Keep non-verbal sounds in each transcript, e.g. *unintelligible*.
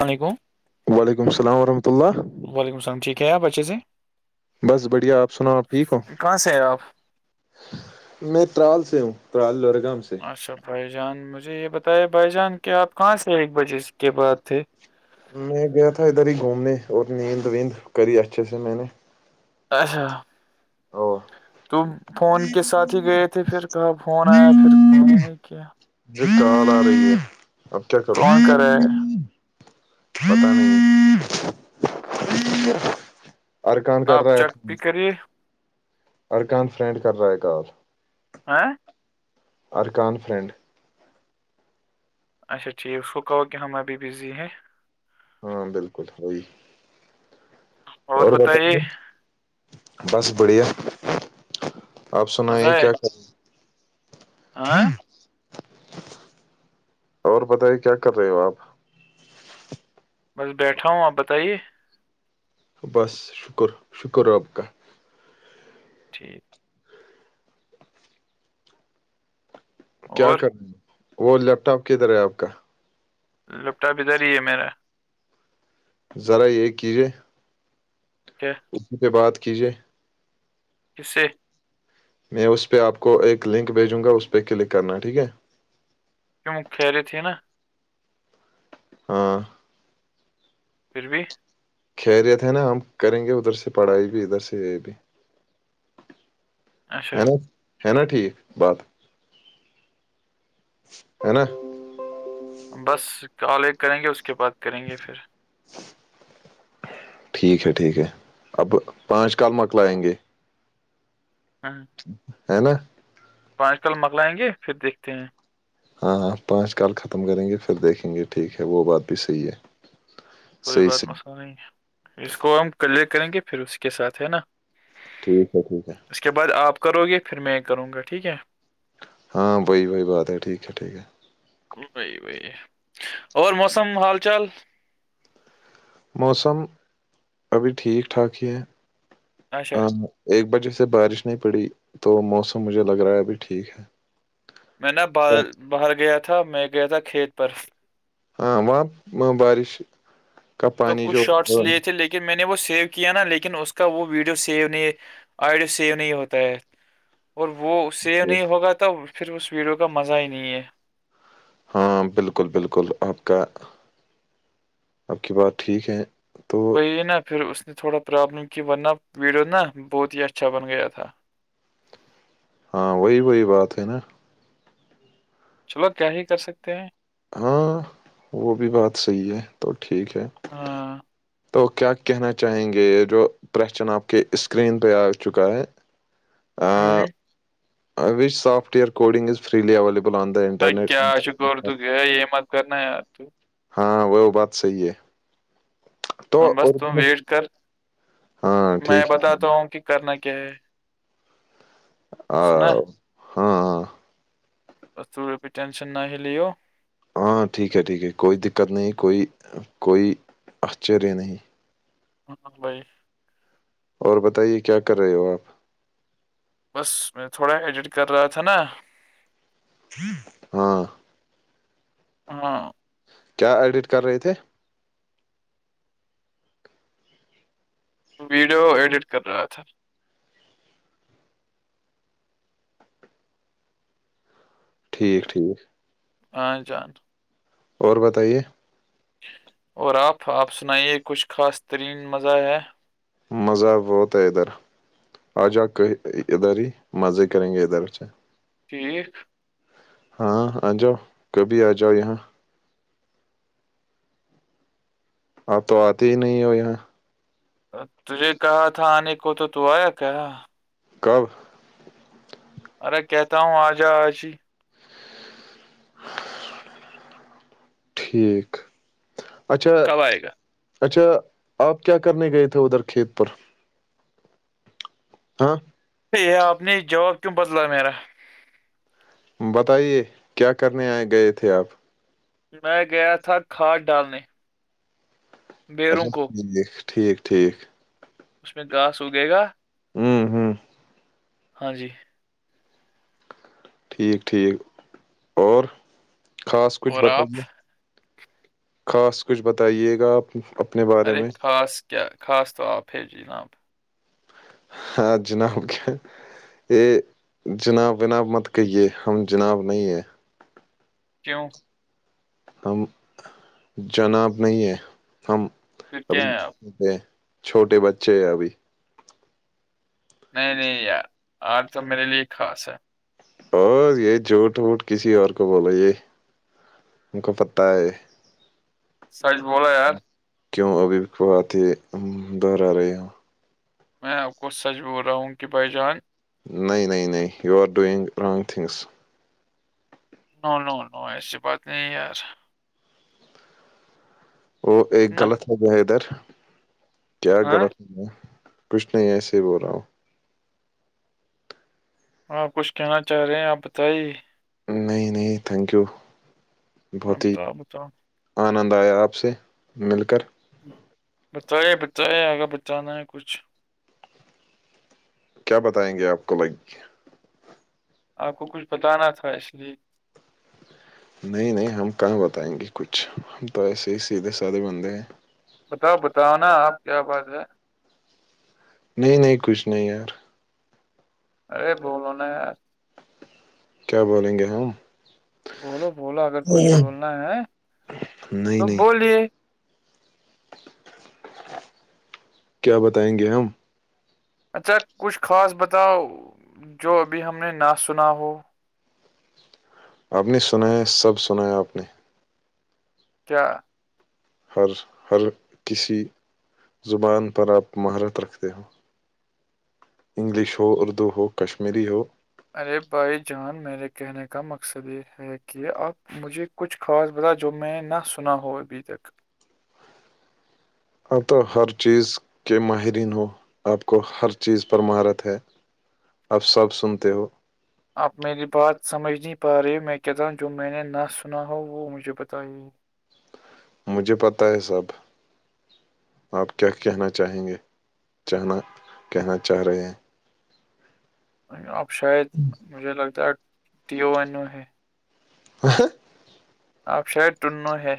الل علیکم وعلیکم السلام ورحمۃ اللہ وعلیکم السلام ٹھیک ہے آپ بچے سے بس بڑھیا آپ سناو آپ ٹھیک ہو کہاں سے ہیں آپ میں ترال سے ہوں ترال لورگام سے اچھا بھائی جان مجھے یہ بتایا بھائی جان کہ آپ کہاں سے ایک بجے کے بعد تھے میں گیا تھا ادھر ہی گھومنے اور نیند ویند کری اچھے سے میں نے اچھا اور تم فون کے ساتھ ہی گئے تھے پھر کہا فون آیا پھر فون ہی نہیں کیا جی کال آ رہی ہے اب کیا کرو کون کر رہا ہے پتہ نہیں اور کون کر آپ رہا ہے چیک بھی کریے ارکان فرینڈ کر رہا ہے کال آاں *unintelligible* *inaudible* ارکان فرینڈ اچا ٹھیک اس کو کہو ہم ابھی بزی ہیں ہاں بالکل ہوی اور بتاؤ بس بڑھیا آپ سنائی مزہ ہے کیا کر ہاں اور پتائی کیا کر رہے ہو آپ بس بیٹھا ہوں آپ بتائیے بس شکر شکر رب کا *unintelligible* کیا اور کر رہ ہیں وہ لیپ ٹاپ کدھر ہے آپ کا لیپ ٹاپ ادھر ہی ہے میرا ذرا یہ کیجیے کہھ اسی سے بات کیجیے جس سے میں اس پہ آپ کو ایک لنک بھیجوں گا اس پہ کلک کرنا ٹھیک ہے کیوں خیریت ہے نا ہاں پھر بھی خیریت ہے نا ہم کریں گے ادھر سے پڑھائی بھی ادھر سے یہ بھی اچھا ہے نا ہے نا ٹھیک بات ہے نا بس کال ایک کریں گے اس کے بعد کریں گے پھر *unintelligible* ٹھیک ہے ٹھیک ہے اب پانچ کال مکلائیں گے ہاں ہے نا پانچ کل مکگلائیں گے پھر دیکھتے ہیں ہاں پانچ کال ختم کریں گے پھر دیکھیں گے ٹھیک ہے وہ بات بھی صحیح ہے کوئی صحیح بات صحیح مسئلہ نہیں اس کو ہم کلیر کریں گے پھر اس کے ساتھ ہے نا ٹھیک ہے ٹھیک ہے اس کے بعد آپ کرو گے پھر میں کروں گا ٹھیک ہے ہاں بی بی بات ہے ٹھیک ہے ٹھیک ہے بی بی ہے اور موسم حال چال موسم ابھی ٹھیک ٹھاک ہی ہے اچھا ہاں ایک بجہ سے بارش نہیں پڑی تو موسم مجھے لگ رہا ہے ابھی ٹھیک ہے میں نا بال باہر گیا تھا میں گیا تھا کھیت پر ہاں وہاں بارش کا پانی جو کہ میں نے وہ سیو کیا نا لیکن اس کا وہ ویڈیو سیو نہیں ہے آڈیو سیو نہیں ہوتا ہے اور وہ سیو نہیں ہوگا تو پھر اس ویڈیو کا مزہ ہی نہیں ہے ہاں بالکل بالکل آپ کا آپ کی بات ٹھیک ہے تو وہی نا پھر اس نے تھوڑا پرابلم کی ورنہ ویڈیو نا بہت ہی اچھا بن گیا تھا ہاں وہی وہی بات ہے نا چلو کیا ہی کر سکتے ہیں ہاں وہ بھی بات صحی ہے تو ٹھیک ہے ہاں تو کیا کہنا چاہیں گے یہ جو پشن آپ کے اسکرین پہ آ چکا ہے ہوں، software coding is freely available آ د ہے تو کیا چ کرور توک ہے یہ مت کرناا یاد تو ہاں وہ بات صحیح ہے تو ہاں بس تم اردو میں ویٹ کر ہاں میں ٹھیک ہے بتاتا ہوں کہ کرنا کیا ہے ہ سنا بس روپی ٹینشن نہ ہی لو ہاں ٹھیک ہے ٹھیک ہے کوئی دقت نہیں کوئی کوئی آشچر نہیں ہوں بھائی اور بتائیے کیا کر رہے ہو آپ بس میں تھوڑا ایڈٹ کر رہا تھا نا ہاں ہاں کیا ایڈٹ کر رہے تھے ویڈیو ایڈٹ کر رہا تھا ٹھیک ٹھیک ہاں جان اور بتائیے اور آپ آپ سنائیے کچھ خاص ترین مزہ ہے مزہ بہت ہے ادھر آ جا ادھر ہی مزے کریں گے ادھر سے ٹھیک ہاں آ جاؤ کبھی آ جاؤ یہاں اپ تو آتے ہی نہیں ہو یہاں تے کہا تھا آنے کو تو تو آیا کیا کب ارے کہتا ہوں آجا آج ہی ٹھیک اچھا کب آئے گا اچھا آپ کیا کرنے گئے تھے ادھر کھیت پر ہاں یہ آپ نے جواب کیوں بدلا میرا بتائیے کیا کرنے آئے گئے تھے آپ میں گیا تھا کھاد ڈالنے بیروں اچھا کو ٹھیک ٹھیک ٹھیک اس میں گاس اگئے گا ہوں ہوں ہاں جی ٹھیک ٹھیک اور خاص کچھ اور آپ بتائیے خاص کچھ بتائیے گا آپ اپنے بارے ارے میں خاص کیا خاص تو آپ ہے جی جناب ہاں جناب کیا ا جناب وناب مت کہیے ہم جناب نہیں ہیں کیوں ہم جناب نہیں ہے ہم پھر کیا ہیں آپ ابھی چھوٹے بچے ہیں ابھی نہیں نہیں یار آج تو میرے لیے خاص ہے اور یہ جھوٹ ووٹ کسی اور کو بولو یہ ان کو پتتا ہے سچ بو رہو یار کیوں ابھی بہت ہی دوہرا رہی ہو میں کوچ سچ بول رہا ہوں کی بھائی جان نہیں نہیں نہیں you are doing wrong things no no no ایسی بات نہیں یار وہ ایک نا غلط ہو گیا ادھر کیا ہاں غلط ہو گیا کچھ نہیں ایسے ہی بول رہا ہوں ہا کچھ کہنا چاہ رہے ہیں آپ بتائیے نہیں نہیں تھینک یو بہت آپ ہی بتاؤ بتاؤ آنند آیا آپ سے مل کر بتائیے بتائیے اگر بچانا ہے کچھ کیا بتائیں گے آپ کو بھائی کیا آپ کو کچھ بتانا تھا اس لیے نہیں نہیں ہم کہاں بتائیں گے کچھ ہم تو ایسے ہی سیدھے سادے بندے ہیں بتاؤ بتاؤ نا آپ کیا بات ہے نہیں نہیں کچھ نہیں یار ارے بولو نا یار کیا بولیں گے ہم بولو بولو اگر کچھ بولنا ہے تو نہیں نہیں بولیے کیا بتائیں گے ہم اچھا کچھ خاص بتاؤ جو ابھی ہم نے نہ سنا ہو آپ نے سنا ہے سب سنا ہے آپ نے کیا ہر ہر کسی زبان پر آپ مہارت رکھتے ہو انگلش ہو اردو ہو کشمیری ہو ارے بھائی جان میرے کہنے کا مقصد یہ ہے کہ آپ مجھے کچھ خاص بتا جو میں نہ سنا ہو ابھی تک اب تو ہر چیز کے ماہرین ہو آپ کو ہر چیز پر مہارت ہے اپ سب سنتے ہو آپ میری بات سمجھ نہیں پا رہی ہو میں کہتا جو میں نے نہ سنا ہو وہ مجھے بتائیے مجھے پتہ ہے سب آپ کیا کہنا چاہیں گے چاہنا کہنا چاہ رہے ہیں اب شاید مجھے لگتا ہے ٹیو اینو ہے *inaudible* آپ شاید ٹنو ہے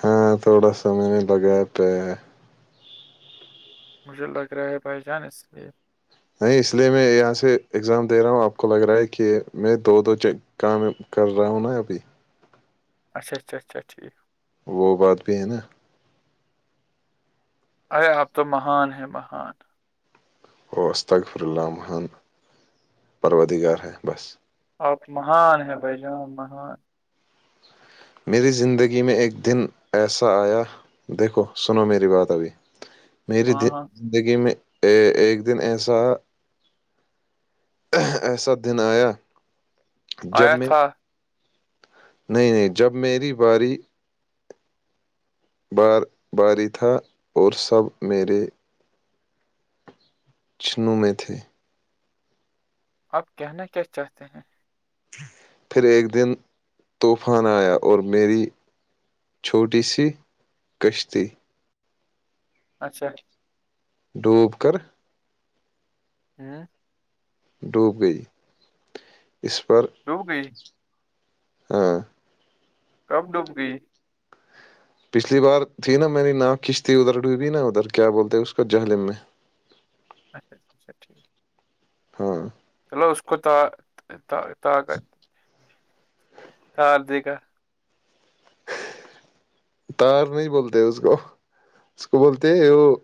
ہاں تھوڑا سب میں نے لگایا پیک مجھے لگ رہا ہے بھائی جان اس لیے نہیں اس لیے میں یہاں سے ایگزام دے رہا ہوں آپ کو لگ رہا ہے کہ میں دو دو کام کر رہا ہوں نا ابھی اچا اچھا اچھا ٹھیک وہ بات بھی ہے نا ارے اپ تو مہان ہے مہان استغفر اللہ مہان پرادگار ہیں بس آپ مہان ہے بھائی جان مہان میری زندگی میں ایک دن ایسا آیا دیکھو سنو میری بات ابھی میری ہاں ہاں زندگی میں ایک دن ایسا ایسا دن آیا جب آیا میں تھا نہیں نہیں جب میری باری بار باری تھا اور سب میرے چنو میں تھے آپ کہنا کیا چاہتے ہیں پھر ایک دن طوفان آیا اور میری چھوٹی سی کشتی اچھا ڈوب کر ہوں ڈوب گئی اس پر ہوو گئے ہاں کب ڈب گئی پچھلی بار تھی نا میری ناؤ کشتی ادھر ڈوبی نا ادھر کیا بولتے اسس کا جہللم میں اچھاا اچھا ٹھیک ہاں چلو اس کو تا طاقت ہاردکا تار نہیں بولتے اس کو اس کو بولتے وہ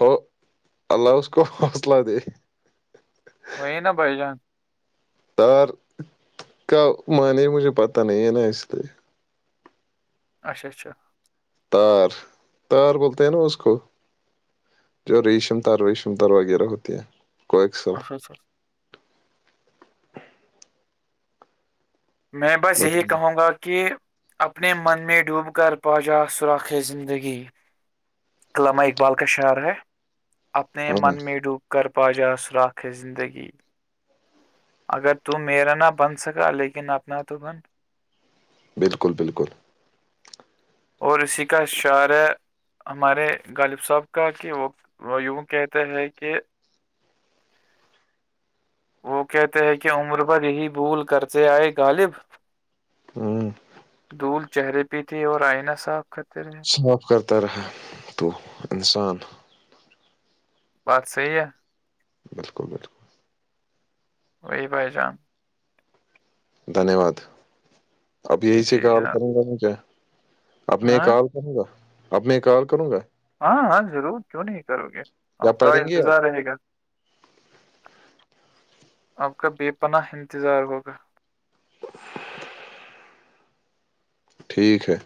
ہو اللہ اس کو حوصلہ د وہی نا بائی جان تار کا منی مجھے پتا نہیں ہے نا اس لیے اچھا اچھا تار تار بولتے ہیں نا اس کو جو ریشمتار ریشمتار وغیرہ ہوتی ہے کویکسل اچھا اچھا میں بس یہی مطلب۔ کہوں گا کہ اپنے من میں ڈوب کر پاجا سوراخ زندگی علامہ اقبال کا شاعر ہے اپنے ہاں من میں ڈوب کر پا جا سراخ زندگی اگر ت میرا نہ بن سکا لیکن اپنا تو بن بالکل بالکل اور اسی کا اشعارہ ہمارے غالب صاحب کا کہ وہ یوں کہتے ہے کہ وہ کہتے ہیں کہ عمر پر ہیی بھول کرتے آئے غالب ہوں دھول چہرے پیتے اور آئناہ صاف کرتے رہے صاف کرتا رہا تو انسان بات صحیح ہے بالکل بالکل وہی بائی جام دھنیہ واد اب یہی سے جی کال جناب کروں کروں کیا اپ نے ہاں کال کروں گا اپنی کال کروں گا ہاں ہاں ضرور کیوں نہیں کرو گے آپ یا کا پڑھیں گے انتظار رہے گا آپ کا بے پناہ انتظار ہوگا آپ ٹھیک ہے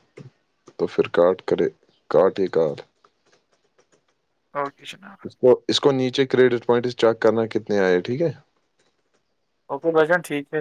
تو پھر کاٹ کرے کاٹے کٹ اوکے جناب اس کو اس کو نیچے کریڈٹ پوائنٹ چیک کرنا کتنے آئے ٹھیک ہے اوکل بچان ٹھیک ہے